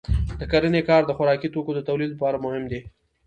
د کرنې کار د خوراکي توکو د تولید لپاره مهم دی.